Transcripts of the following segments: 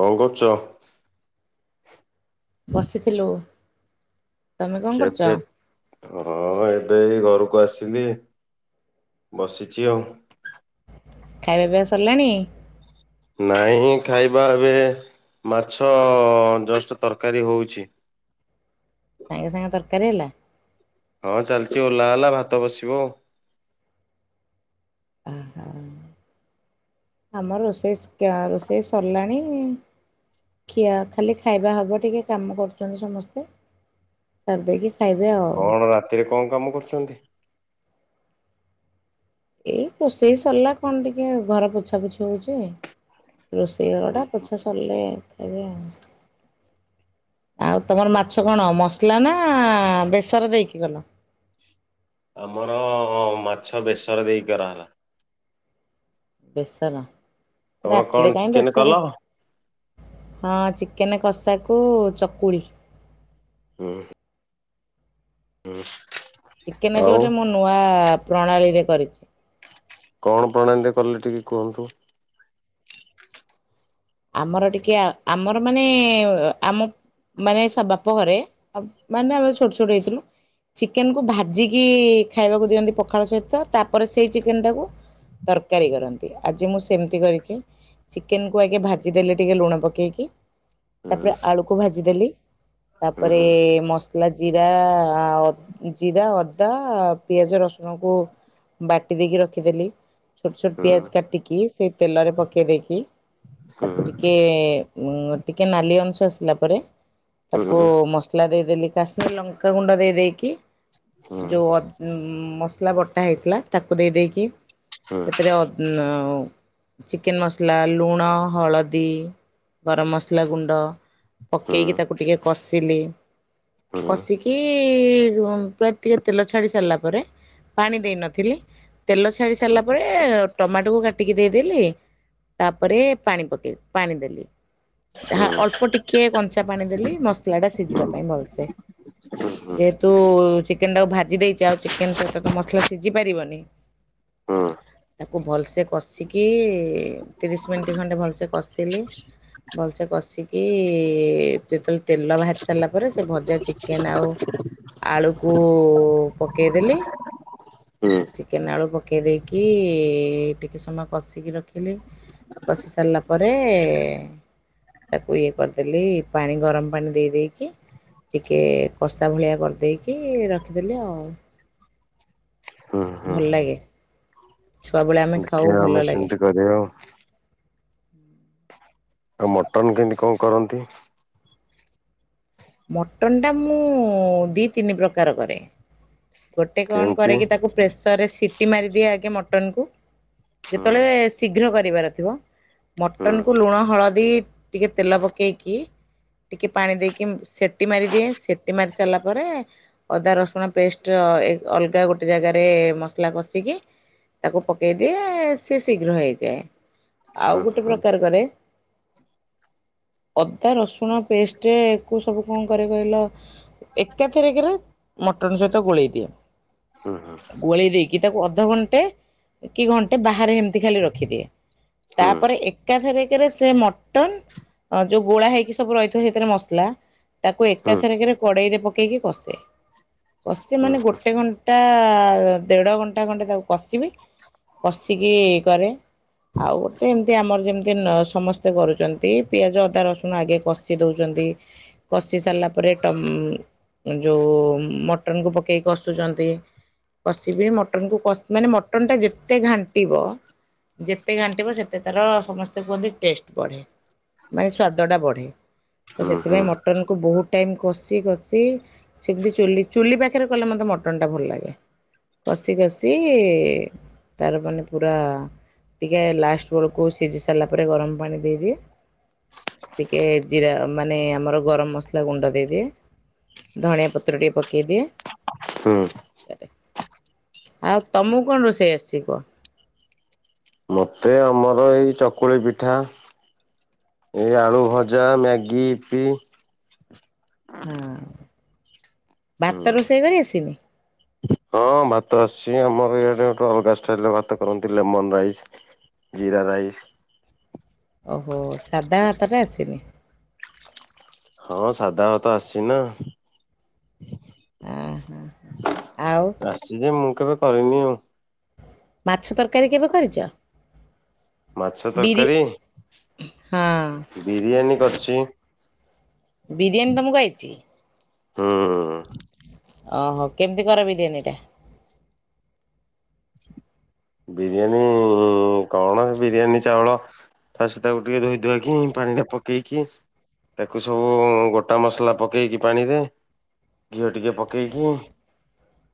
କଣ କରୁଚ? ବସିଥିଲୁ। ତମେ କଣ ଖିଆ କରୁଛ? ପିଆ? ହଁ ଏବେ ଏଇ ଘରକୁ ଆସିଲି, ବସିଚି ଆଉ। ଖାଇବା ପିଇବା ସରିଲାଣି? ନାଇଁ ଖାଇବା ଏବେ ମାଛ ଜଷ୍ଟ ତରକାରୀ ହଉଚି। ସାଙ୍ଗେ ସାଙ୍ଗେ ତରକାରୀ ହେଲା? ହଁ ଚାଲିଚି ଓଲ୍ହା ହେଲା ଭାତ ବସିବ ଆହା। ଆମ ରୋଷେଇ ରୋଷେଇ ସରିଲାଣି ଖିଆ ଖାଲି ଖାଇବା ହବ ଟିକେ କାମ କରୁଛନ୍ତି ସମସ୍ତେ ସାରି ଦେଇକି ଖାଇବେ ଆଉ। କଣ ରାତିରେ କଣ କାମ କରୁଛନ୍ତି? ଏଇ ରୋଷେଇ ସରିଲା କଣ ଟିକେ ଘର ପୋଛା ପୋଛି ହଉଛି। ରୋଷେଇ ଘରଟା ହୁଁ। ପୋଛା ସରିଲେ ଖାଇବା। ଆଉ ତମର ମାଛ କଣ ମସଲା ନା ବେସର ଦେଇକି କଲ? ଆମର ମାଛ ବେଶରେ ଦେଇକି କରାହେଲା। ବେସର ତମର କଣ ରାତିରେ କାଇଁ ଚିକେନ କଲ? ବେସର? ହଁ, ଚିକେନ୍ କଷାକୁ ଚକୁଳି। ହୁଁ। ହୁଁ ଚିକେନ ଆଜି ଆଉ ଗୋଟେ ମୁଁ ନୂଆ ପ୍ରଣାଳୀରେ କରିଛି। କଣ ପ୍ରଣାଳିରେ କଲେ ଟିକେ କୁହନ୍ତୁ? ଆମର ଟିକେ ଆମର ମାନେ ଆମ ମାନେ ସବୁ ବାପ ଘରେ ମାନେ ଆମେ ଛୋଟ ଛୋଟ ହେଇଥିଲୁ। ଚିକେନକୁ ଭାଜିକି ଖାଇବାକୁ ଦିଅନ୍ତି ପଖାଳ ସହିତ ତାପରେ ସେଇ ଚିକେନଟାକୁ ତରକାରୀ କରନ୍ତି ଆଜି ମୁଁ ସେମିତି କରିଛି ଚିକେନକୁ ଆଗେ ଭାଜି ଇଏ ଦେଲେ ଟିକେ ଲୁଣ ପକେଇକି ହୁଁ ତାପରେ ଆଳୁକୁ ଭାଜିଦେଲି। ହୁଁ ତାପରେ ହୁଁ ମସ ଖିଲା ଜିରା, ଜିରା, ଅଦା, ପିଆଜ ରସୁଣକୁ ବାଟିଦେଇକି ରଖିଦେଲି, ଛୋଟ ଛୋଟ ହୁଁ ପିଆଜ କାଟିକି ସେଇ ତେଲରେ ପକେଇଦେଇକି ହୁଁ ତାକୁ ଟିକେ ଉଁ ଟିକେ ନାଲି ଅଂଶ ଆସିଲା ପରେ ହୁଁ ହୁଁ ହୁଁ ହୁଁ ତାକୁ ମସ ସଲା ଦେଇଦେଲି। କାଶ୍ମୀର ଲଙ୍କା ଗୁଣ୍ଡ ଦେଇ ଦେଇଦେଇକି ଯୋଉ ଅଦ ଉଁ ମସଲା ବଟା ହେଇଥିଲା ତାକୁ ଦେଇଦେଇକି ସେଥିରେ ଅଦ ଉଁ ଚିକେନ ମସଲା, ଲୁଣ ହଳଦୀ, ଗରମ ମସଲା ଗୁଣ୍ଡ ପକେଇକି ତାକୁ ଟିକେ କଷିଲି, କଷିକି ପୁରା ଟିକେ ତେଲ ଛାଡ଼ି ସାରିଲା ପରେ ପାଣି ଦେଇନଥିଲି। ତେଲ ଛାଡି ସାରିଲା ପରେ ଟମାଟୋକୁ କାଟିକି ଦେଇଦେଲି। ତାପରେ ପାଣି ପକେଇ ପାଣି ଦେଲି। ହୁଁ ହାଁ ଅଳ୍ପ ଟିକେ କଞ୍ଚା ପାଣି ଦେଲି ମସଲା ଟା ସିଝିବା ପାଇଁ ଭଲସେ। ଯେହେତୁ ଚିକେନ ଟାକୁ ଭାଜି ଦେଇଚେ ଆଉ ଚିକେନ ସହିତ ତ ମସଲା ସିଝିପାରିବନି। [inaudible] ହୁଁ। ତାକୁ ଭଲସେ କଷିକି ତିରିଶ ମିନିଟ ଟ୍ ଖଣ୍ଡେ ଭଲସେ କଷିଲି ଭଲସେ କଷିକି ଯେତେବେଳେ ତେଲ ବାହାରି ସାରିଲା ପରେ ସେ ଭଜା ଚିକେନ ଆଉ ଆଳୁକୁ ପକେଇଦେଲି। ହୁଁ ଚିକେନ ଆଳୁ ପକେ କେଇ ଦେଇକି ଟିକେ ସମୟ କଷିକି ରଖିଲି। କଷି ସାରିଲା ପରେ ତାକୁ ଇଏ କରିଦେଲି ପାଣି ଗରମ ପାଣି ଦେଇ ଦେଇଦେଇକି ଟିକେ କଷା ଭଳିଆ କରିଦେଇକି ରଖିଦେଲି ଆଉ। ହୁଁ ହୁଁ ଭଲ ଲାଗେ। ଛୁଆବେଳେ ଆମେ ଖାଉ ଆଜ୍ଞା, ଭଲ ଆମେ ଲାଗେ ସେମିତି କରିବା ଆଉ। ଆଉ ମଟନ୍ କେମିତି କଅ କରନ୍ତି? ମଟନ୍ ଟା ମୁଁ ଦୁଇ ତିନି ପ୍ରକାର କରେ। ଗୋଟେ କଣ କେମିତି କରେକି ତାକୁ ପ୍ରେସରରେ ସିଟି ମାରିଦିଏ ଆଗେ ମଟନ୍ କୁ ହୁଁ ଯେତେବେଳେ ଶୀଘ୍ର କରିବାର ଥିବ ହୁଁ ମଟନକୁ ଲୁଣ, ହଳଦୀ ଟିକେ ତେଲ ପକେଇକି ଟିକେ ପାଣି ଦେଇକି ସେଟି ମାରିଦିଏ ସେଟି ମାରି ସାରିଲା ପରେ ଅଦା ରସୁଣ ପେଷ୍ଟ ର ଏ ଅଲ୍ ଅଲଗା ଗୋଟେ ଜାଗାରେ ମସଲା କଷିକି ତାକୁ ପକେଇ ଦିଏ ସିଏ ଶୀଘ୍ର ହେଇଯାଏ। ଆଉ ହୁଁ ଗୋଟେ ହୁଁ ପ୍ରକାର କରେ। ଅଦା ରସୁଣ ପେଷ୍ଟକୁ ସବୁ କଣ କରେ କହିଲ? ଏକାଥରେକରେ ମଟନ ସହିତ ଗୋଳେଇ ଦିଏ। ହୁଁ ହୁଁ। ଗୋଳେଇ ଦେଇକି ତାକୁ ଅଧଘଣ୍ଟେ କି ଘଣ୍ଟେ ବାହାରେ ଏମିତି ଖାଲି ରଖିଦିଏ। ହୁଁ ତାପରେ ଏକାଥରେକେରେ ସେ ମଟନ ଅ ଯୋଉ ଗୋଳା ହେଇକି ସବୁ ରହିଥିବ ସେଇଥିରେ ମସଲା ତାକୁ ହୁଁ ଏକାଥରେକେରେ କଡ଼େଇ ରେ ପକେଇକି କଷେ। କସିବି ମାନେ ଗୋଟେ ଘଣ୍ଟା ଦେଢ ଘଣ୍ଟା ଖଣ୍ଡେ ତାକୁ କଷିବି କଶିକି କରେ। ଆଉ ଗୋଟେ ଏମିତି ଆମର ଯେମିତି ନ ସମସ୍ତେ କରୁଚନ୍ତି ପିଆଜ ଅଦା ରସୁଣ ଆଗେ କ ଷି ଦଉଚନ୍ତି। କଷି ସାରିଲା ପରେ ଟମ ଯୋଉ ମ ମଟନ କୁ ପକେଇକି କସୁଚନ୍ତି। କଷିବି ମଟନ କୁ କସ ମାନେ ମଟନ୍ ଟା ଯେତେ ଘାଣ୍ଟିବ ଯେତେ ଘାଣ୍ଟିବ ସେତେ ତାର ସମସ୍ତେ କୁହନ୍ତି ଟେଷ୍ଟ ବଢେ। ମାନେ ସ୍ଵାଦ ଟା ବଢେ। ତ ହୁଁ ହୁଁ ସେଥିପାଇଁ ମଟନ୍ କୁ ବହୁତ ଟାଇମ କଷି କଷି ସେମିତି ଚୁଲି ଚୁଲି ପାଖରେ କଲେ ମତେ ମଟନ ଟା ଭଲ ଲାଗେ। କଷି କଷି ତାର ମାନେ ପୁରା ଟିକେ ଲାଷ୍ଟ ବେଳକୁ ସିଝି ସାରିଲା ପରେ ଗରମ ପାଣି ଦେଇଦିଏ। ଟିକେ ଜିରା ମାନେ ଆମର ଗରମ ମସଲା ଗୁଣ୍ଡ ଦେଇଦିଏ। ଧଣିଆ ପତ୍ର ଟିକେ ପ ପକେଇଦିଏ। ହୁଁ ତାରେ ଆଉ ତମକୁ କଣ ରୋଷେଇ ଆସିଚି କୁହ? ମତେ ଆମର ଏଇ ଚକୁଳି ପିଠା ଏଇ ଆଳୁ ଭଜା ମ୍ୟାଗି ୟିପି। ହଁ ହୁଁ ଭାତ ରୋଷେଇ କରି ଆସିନି? ହଁ ଭାତ ଆସିଚି। ଆମର ଇଆଡେ ଗୋଟେ ଅଲଗା ଷ୍ଟାଇଲର ଭାତ କରନ୍ତି ଲେମନ ରାଇସ୍। ଜିରା ରାଇସ୍। ଓହୋ ସାଧା ଭାତଟା ଆସିନି। ହଁ ସାଧା ଭାତ ଆସିଚି ନା। ଆ ହା ଆଉ? ଆସିଚି ଯେ ମୁଁ କେବେ କରିନି। ମାଛ ତରକାରୀ କେବେ କରିଚ? ମାଛ ବିରି ତରକାରୀ ହଁ। ବିରିୟାନୀ କରିଚି। ବିରିୟାନୀ ତମକୁ ଆଇଚି? ହୁଁ। ଓହୋ କେମିତି କର ବିରିୟାନୀ ଟା? ବିରିୟାନୀ କଣ ଏ ବିରିୟାନୀ ଚାଉଳ ଫାଷ୍ଟ ତାକୁ ଟିକେ ଧୋଇ ଧାଇକି ପାଣି ରେ ପକେଇକି ତାକୁ ସବୁ ଗୋଟା ମସଲା ପକେଇକି ପାଣି ରେ ଘିଅ ଟିକେ ପକେଇକି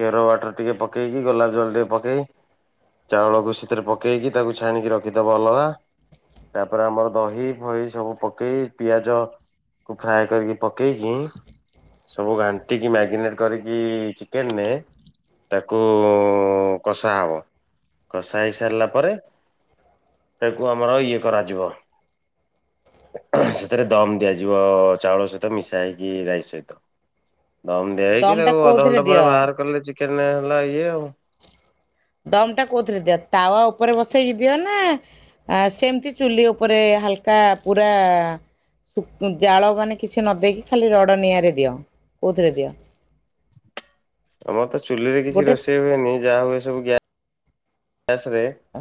କେର ୱାଟର ଟିକେ ପକେଇକି ଗୋଲାପ ଜଲ ଟିକେ ପକେଇ ଚାଉଳକୁ ସେଥିରେ ପକେଇକି ତାକୁ ଛାଣିକି ରଖିଦବ ଅଲଗା। ତାପରେ ଆମର ଦହି ଫହି ସବୁ ପକେଇ ପିଆଜ କୁ ଫ୍ରାଏ କରିକି ପକେଇକି ସବୁ ଘାଣ୍ଟିକି ମାରିନେଟ କରିକି ଚିକେନ ରେ ତାକୁ କଷା ହବ। କଷା ହେଇ ସାରିଲା ପରେ ତାକୁ ଆମର ଇଏ କରାଯିବ। ସେଥିରେ ଦମ ଦିଆଯିବ ଚାଉଳ ସହିତ ମିଶା ହେଇକି ରାଇସ୍ ସହିତ। ହ [inaudible] ଦମ ଦିଆ ହେଇକି ତାକୁ ଅଧଘଣ୍ଟା ପରେ ବାହାର କଲେ ଚିକେନରେ ହେଲା ଇଏ ଆଉ। ଦମ ଟା କୋଉଥିରେ ଦିଅ ତାୱା ଉପରେ ବସେଇକି ଦିଅ ନା ଆ ସେମିତି ଚୁଲି ଉପରେ ହାଲକା ପୁରା ଜାଳ ମାନେ କିଛି ନ ଦେଇେଇକି ଖାଲି ରଡ ନିଆଁରେ ଦିଅ କୋଉଥିରେ ଦିଅ? ଆମର ତ ଚୁଲିରେ କିଛି ଗୋଟେ ରୋଷେଇ ହୁଏନି। ଯାହା ହୁଏ ସବୁ ଗ ଗ୍ୟାସରେ। ଆ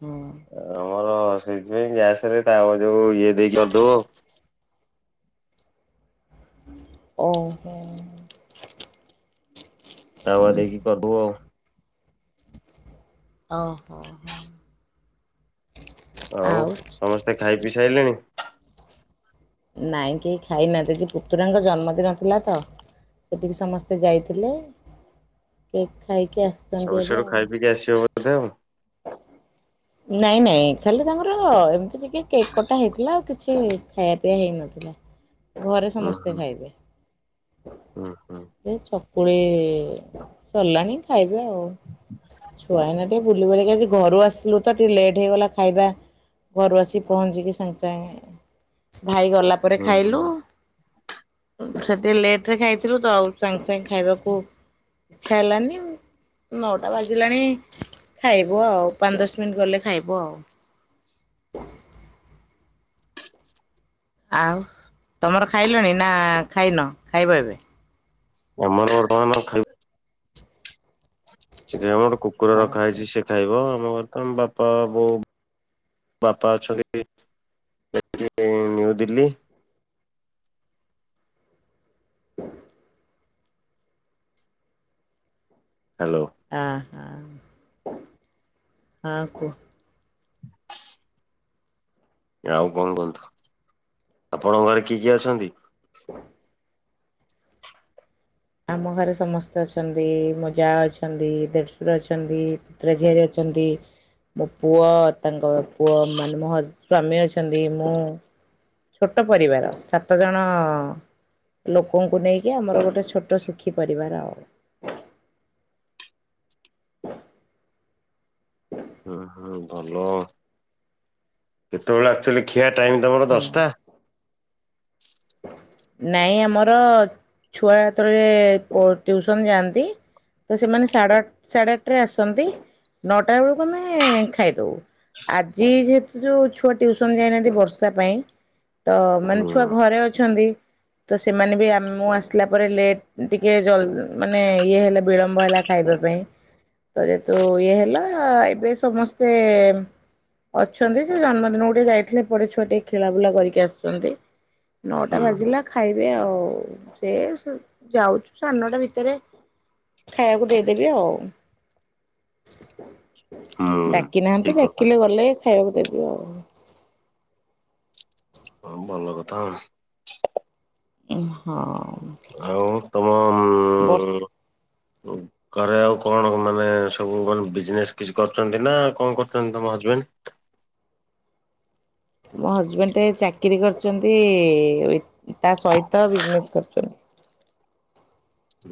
ହୁଁ। ଆମର ସେଇଥିପାଇଁ ଗ୍ୟାସ ରେ ତାବା ଯୋଉ ଇଏ ଦେଇକି କରିଦଉ ଆଉ। ଓ ହୋ। ତାୱା ଦେଇକି କରିଦଉ ଆଉ। ଓହୋ ହୋ। ଆଉ ସମସ୍ତେ ଖାଇ ପିସାଇଲେଣି? ନାଇଁ କେହି ଖାଇନାହାନ୍ତି ସେ ପୁତୁରାଙ୍କ ଜନ୍ମଦିନ ଥିଲା ତ! ସେଠିକି ସମସ୍ତେ ଯାଇଥିଲେ କେକ୍ ଖାଇକି ଆସିଛନ୍ତି ଏବେ ଆଉ। କିଏ ଆସିବ ତ [unintelligible] ହଉ ହ ନାଇଁ ନାଇଁ ଖାଲି ତାଙ୍କର ଏମିତି ଟିକେ କେକ୍ କଟା ହେଇଥିଲା ଆଉ କିଛି ଖାଇବା ପିଇବା ହେଇନଥିଲା। ଘରେ ଉଁ ହୁଁ ସମସ୍ତେ ଖାଇବେ। ହୁଁ ହୁଁ ସେ ଚକୁଳି ସରିଲାଣିି ଖାଇବେ ଆଉ ଛୁଆ ଏଇନା ଟେ ବୁଲ ବୁଲ ବାଲିକି ଆଜି ଘରୁ ଆସିଲୁ ତ ଟିକେ ଲେଟ୍ ହେଇଗଲା ଖାଇବା। ଘରୁ ଆସିିକ ପହଞ୍ଚିକି ସାଙ୍ଗେ ସାଙ୍ଗେ ଭାଇ ଗଲା ପରେ ହୁଁ ହୁଁ ଖାଇଲୁ। ସେଠି ଟିକେ ଲେଟ ରେ ଖାଇଥିଲୁ ତ ଆଉ ସାଙ୍ଗେ ସାଙ୍ଗେ ଖାଇବାକୁ ଇଛା ହେଲାନି ନଅଟା ବାଜିଲାଣି। ଖାଇବୁ ଆଉ ପାଞ୍ଚ ଦଶ ମିନିଟ୍ ଗଲେ ଖାଇବୁ ଆଉ। ଆଉ ତମର ଖାଇଲଣି ନା ଖାଇନ ଖାଇବ ଏବେ। ଆମର ବର୍ତ୍ତମାନ ର ଖାଇ ସେ ଖାଇବ ଆମର ଗୋଟେ କୁକୁର ଓହୋ। ରଖା ହେଇଛି ସେ ଖାଇବ ଆମ ଘରେ ତ ଆମ ବାପା ବୋଉ ବାପା ଅଛନ୍ତି [unintelligible] ନ୍ୟୁ ଦିଲ୍ଲୀ। ହ୍ୟାଲୋ। ଆ ହା ହ କୁହ? ଆଉ କଣ କୁହନ୍ତୁ ଆପଣଙ୍କ ଘରେ କିଏ କିଏ ଅଛନ୍ତି? ଆମ ଘରେ ସମସ୍ତେ ଅଛନ୍ତି ମୋ ଯା ଅଛନ୍ତି ଦେଢ଼ଶର ଅଛନ୍ତି। ପୁତ୍ ରା ଝିଆରି ଅଛନ୍ତି। ମୋ ପୁଅ ତାଙ୍କର ପୁଅ ମାନେ ମୋ ହଜ୍ ସ୍ଵାମୀ ଅଛନ୍ତି ମୁଁ ଛୋଟ ପରିବାର ସାତ ଜଣ ଲୋକଙ୍କୁ ନେଇକି ଆମର ଗୋଟେ ଛୋଟ ଛୋଟ ଶୁଖିପାରିବାର ଆଉ। ହୁଁ ହୁଁ ଭଲ ଆଉ କେତେବେଳେ ଆକ୍ଚୁଆଲି ଖିଆ ଟାଇମ୍ ତମର ହଁ। ଦଶଟା। ନାଇଁ ଆମର ଛୁଆ ଯେତଳେ ଟିୁଉସନ ଯାଆନ୍ତି ତ ସେମାନେ ସାଢ଼େ ଆ ସାଢ଼େ ଆଠଟରେ ଆସନ୍ତି ନଅଟା ବେଳକୁ ଆମେ ଖାଇଦେଉୁ। ଆଜି ଯେହେତୁ ଯୋଉ ଛୁଆ ଟିଉସନ ଯାଇନାହାନ୍ତି ବର୍ଷା ପାଇଁ ତ ମାନେ ଛୁଆ ହୁଁ ଘରେ ଅଛନ୍ତି ତ ସେମାନେ ବି ଆମ ମୁଁ ଆସିଲା ପରେ ଲେଟ୍ ଟିକେ ଜଲ ମାନେ ଇଏ ହେଲା ବିଳମ୍ବ ହେଲା ଖାଇବା ପାଇଁ ତ ଯେହେତୁ ଇଏ ହେଲା ଏବେ ସମସ୍ତେ ଅଛନ୍ତି ସେ ଜନ୍ମଦିନକୁ ଟିକେ ଯାଇଥିଲେ ପଟେ ଛୁଆ ଟିକେ ଖେଳା ବୁଲା କରିକି ଆସିଛନ୍ତି। ନଅଟା ହୁଁ ବାଜିଲା ଖାଇବେ ଆଉ ସେ ଯାଉଛୁ ସ଼େ ସାଡେ ନଅଟା ଭିତରେ। ଖାଇବାକୁ ଦେଇଦେବି ଆଉ। ହୁଁ ଡାକି ନାହାନ୍ତି ଠିକ କଥା ଡାକିଲେ ଗଲେ ଖାଇବାକୁ ଦେବି ଆଉ। ହଁ ଭଲ କଥା ଆ। ହଁ ଆଉ ତମ ବଷ ଉଁ ଘରେ ଆଉ କଣ ମାନେ ସବୁ କଣ ବିଜନେସ କିଛି କରୁଛନ୍ତି ନା କଣ କରୁଛନ୍ତି ତମ ହଜବେଣ୍ଡ? ମୋ ହଜବେଣ୍ଡ ଚାକିରିୀ କରିଛନ୍ତି ତା ସହିତ ବିଜନେସ କରୁଛନ୍ତି।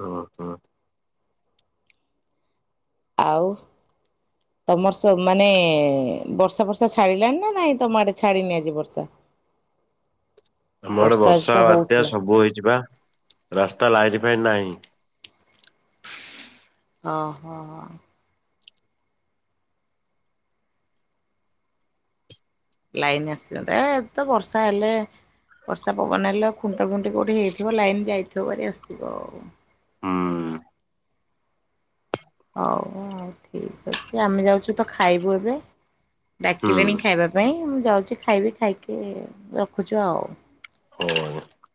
ଓ ହୋ। ଆଉ ତମର ସ ମାନେ ବର୍ଷା ବର୍ଷା ଛାଡ଼ିଲାଣି ନା ନାଇଁ ତମ ଆଡ଼େ ଛାଡ଼ିନି ଆଜି ବର୍ଷା? ଆମ ଆଡ଼େ ଆଜି ତ ବର୍ଷା ବାତ୍ୟା ହଉଥିଲା ସବୁ ହେଇଛି ବା ରାସ୍ତା ଲାଇନ୍ ଫାଇନ୍ ନାହିଁ। ଅ ହ ଲାଇନ ଆସନ୍ତା ଏତେ ବର୍ଷା ହେଲେ ବର୍ଷା ପବନ ହେଲେ ଖୁଣ୍ଟା ଫୁଣ୍ଟି କୋଉଠି ହେଇଥିବ ଲାଇନ ଯାଇଥିବହାରି ଆସିବ ଆଉ। ହୁଁ ହଉ ଠିକ୍ ଅଛି ଆମେ ଯାଉଛୁ ତ ଖାଇବୁ ଏବେ ହୁଁ ଡାକିଲେଣି ଖାଇବା ପାଇଁ ମୁଁ ଯାଉଛି ଖାଇବି ଖାଇକି ରଖୁଛୁ ଆଉ। ହୋଉ।